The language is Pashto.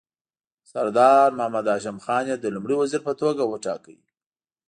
سردار محمد هاشم خان یې د لومړي وزیر په توګه وټاکه.